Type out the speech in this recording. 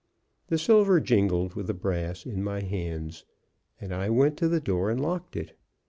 The silver jingled with the brass in my hands, and I went to the door and locked it.